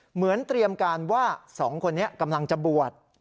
เหมือนเตรียมการว่า๒คนนี้กำลังจะบวช